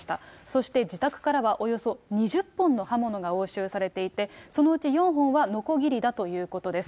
そして、自宅からはおよそ２０本の刃物が押収されていて、そのうち４本はのこぎりだということです。